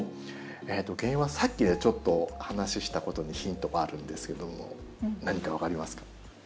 原因はさっきちょっと話ししたことにヒントがあるんですけども何か分かりますか？